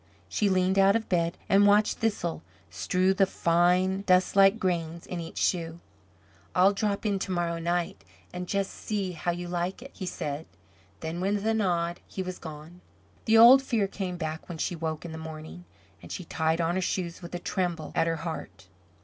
She leaned out of bed, and watched Thistle strew the fine dustlike grains in each shoe. "I'll drop in to morrow night, and just see how you like it," he said. Then, with a nod, he was gone. The old fear came back when she woke in the morning, and she tied on her shoes with a tremble at her heart.